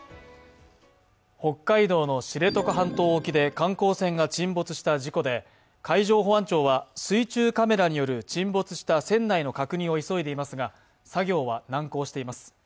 北海道の知床半島沖で観光船が沈没した事故で海上保安庁は水中カメラによる沈没した船内の確認を急いでいますが作業は難航しています。